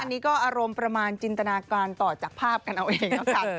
อันนี้ก็อารมณ์ประมาณจินตนาการต่อจากภาพกันเอาเองนะคะ